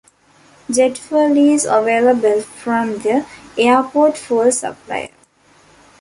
Jet fuel is available from the airport fuel supplier.